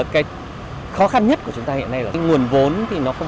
cái khó khăn nhất của chúng ta hiện nay là nguồn vốn